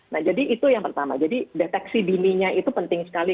nah jadi itu yang pertama jadi deteksi dininya itu penting sekali